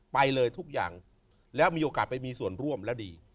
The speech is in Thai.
ไปเลยทุกอย่างแล้วมีโอกาสไปมีส่วนร่วมแล้วดี